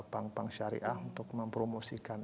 bank bank syariah untuk mempromosikan